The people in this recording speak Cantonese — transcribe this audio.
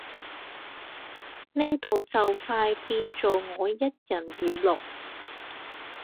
呢度就快變做我一人語錄